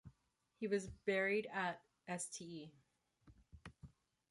He was buried at Ste.